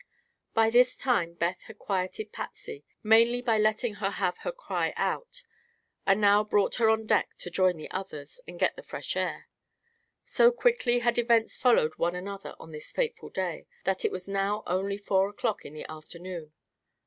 By this time Beth had quieted Patsy, mainly by letting her have her cry out, and now brought her on deck to join the others and get the fresh air. So quickly had events followed one another on this fateful day that it was now only four o'clock in the afternoon.